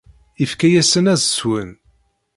Ifka-asen ad swen.